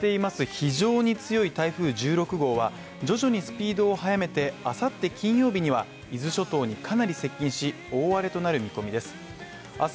非常に強い台風１６号は徐々にスピードを速めて明後日金曜日には伊豆諸島にかなり接近し大荒れとなる見込みです。